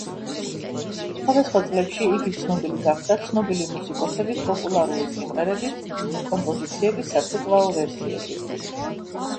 სხვადასხვა წლებში იგი ცნობილი გახდა ცნობილი მუსიკოსების პოპულარული სიმღერების კომპოზიციების საცეკვაო ვერსიებით.